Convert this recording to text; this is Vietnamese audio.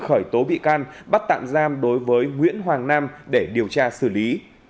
khởi tố bị can bắt tạm giam đối với nguyễn hoàng nam để điều tra xử lý